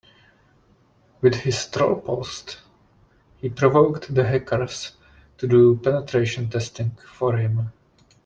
With his troll post he provoked the hackers to do penetration testing for him.